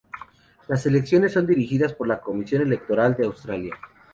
Las elecciones son dirigidas por la Comisión Electoral de Australia.